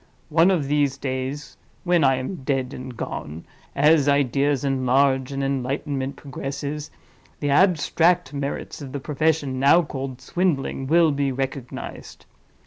one of these days (when I am dead and gone), as ideas enlarge and enlightenment progresses, the abstract merits of the profession now called swindling will be recognized.